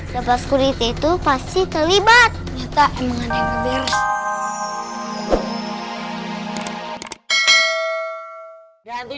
jatuh security itu pasti terlibat nyata emang ada yang ngebers